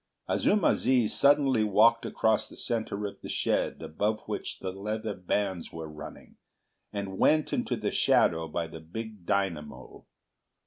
Azuma zi suddenly walked across the centre of the shed above which the leather bands were running, and went into the shadow by the big dynamo.